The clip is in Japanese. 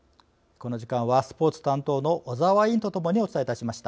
この時間はスポーツ担当の小澤委員とともにお伝えしました。